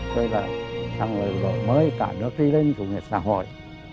rồi là thắng lợi đội mới cả nước đi lên chủ nghĩa xã hội